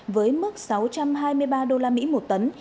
với mức sáu trăm hai mươi ba usd một tấn